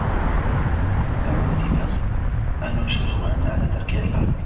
وَعُوتِبَ أَنُوشِرْوَانَ عَلَى تَرْكِ عِقَابِ